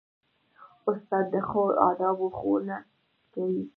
استاد د ښو آدابو ښوونه کوي.